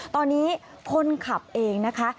ตอนนี้คนขับเองนะคะ